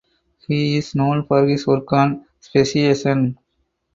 He is known for his work on speciation.